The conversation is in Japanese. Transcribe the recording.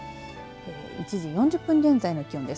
１時４０分現在の気温です。